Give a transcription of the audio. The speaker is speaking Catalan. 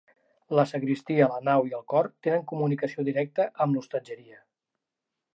La sagristia, la nau i el cor tenen comunicació directa amb l'hostatgeria.